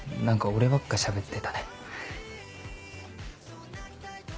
何か俺ばっかしゃべってたね。